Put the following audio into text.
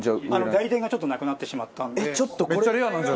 代理店がちょっとなくなってしまったんで。